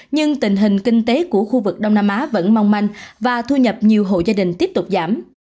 nhưng tình hình kinh tế của khu vực đông nam á vẫn mong manh và thu nhập nhiều hộ gia đình tiếp tục giảm